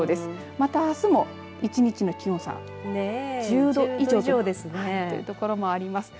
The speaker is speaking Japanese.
また、あすも１日の気温差が１０度以上というところもあります。